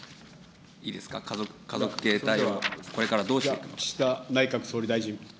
いいですか、家族経営体はこれからどうしていくか。